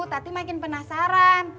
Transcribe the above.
tati makin penasaran